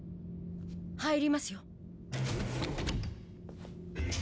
入りますよ。